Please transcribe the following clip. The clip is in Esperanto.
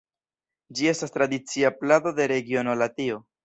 Ĝi estas tradicia plado de regiono Latio.